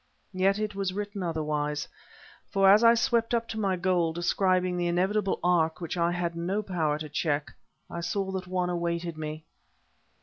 Yet it was written otherwise; for as I swept up to my goal, describing the inevitable arc which I had no power to check, I saw that one awaited me.